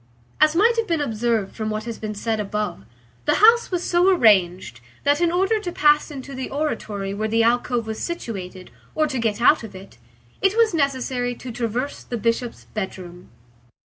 As might have been observed from what has been said above, the house was so arranged that in order to pass into the oratory where the alcove was situated, or to get out of it, it was necessary to traverse the Bishop's bedroom.